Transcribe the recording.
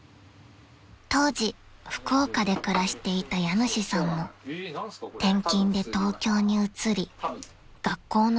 ［当時福岡で暮らしていた家主さんも転勤で東京に移り学校の先生を続けています］